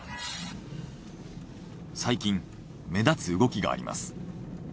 最近目立つ動きがあります。